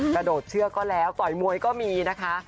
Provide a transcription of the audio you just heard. กระโดดเชือกก็แล้วต่อยมวยก็มีนะคะ